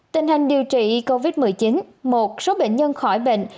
tình hình điều trị covid một mươi chín một số bệnh nhân khỏi bệnh